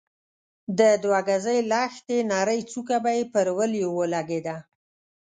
د دوه ګزۍ لښتې نرۍ څوکه به يې پر وليو ولګېده.